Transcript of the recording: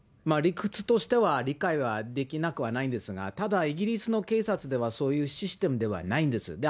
理屈としては理解はできなくはないんですが、ただ、イギリスの警察では、そういうシステムではないんです。